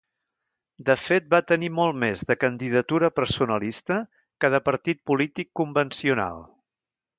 De fet va tenir molt més de candidatura personalista que de partit polític convencional.